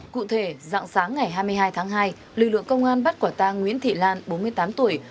cụ thể dạng sáng ngày hai mươi hai tháng hai lực lượng công an bắt quả tang nguyễn thị lan bốn mươi tám tuổi